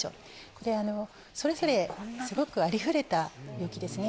これあのそれぞれすごくありふれた病気ですね